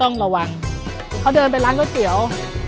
ต้องระวังเขาเดินไปร้านรถเกลียว